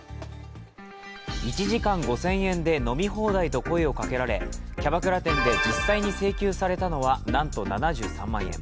１時間５０００円で飲み放題を声をかけられキャバクラ店で実際に請求されたのは、なんと７３万円。